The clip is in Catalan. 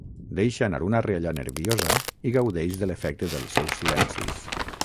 Deixa anar una rialla nerviosa i gaudeix de l'efecte dels seus silencis.